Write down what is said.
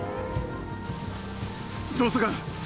捜査官。